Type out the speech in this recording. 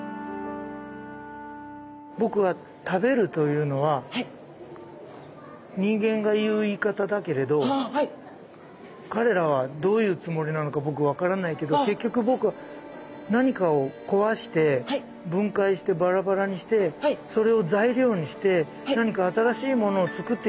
僕は食べるというのは人間が言う言い方だけれど彼らはどういうつもりなのか僕分からないけど結局僕は何かを壊して分解してバラバラにしてそれを材料にして何か新しいものをつくっているんですよね。